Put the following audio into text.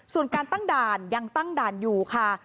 ส่วนการตั้งด่านยังตั้งด่านอยู่ค่ะ